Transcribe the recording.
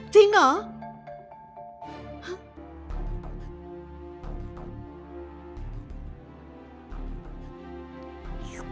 จริงเหรอ